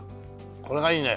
これがいいね。